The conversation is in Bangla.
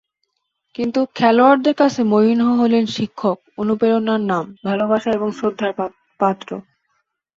কিন্তু খেলোয়াড়দের কাছে মরিনহো হলেন শিক্ষক, অনুপ্রেরণার নাম, ভালোবাসা এবং শ্রদ্ধার পাত্র।